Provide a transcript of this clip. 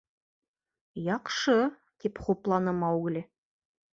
— Яҡшы, — тип хупланы Маугли.